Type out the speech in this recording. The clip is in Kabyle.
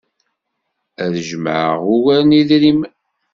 Ad jemɛeɣ ugar n yedrimen.